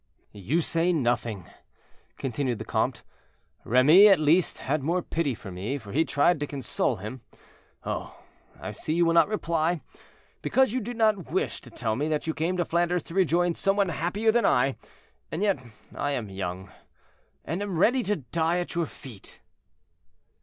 "You say nothing," continued the comte; "Remy at least had more pity for me, for he tried to console him. Oh! I see you will not reply, because you do not wish to tell me that you came to Flanders to rejoin some one happier than I, and yet I am young, and am ready to die at your feet."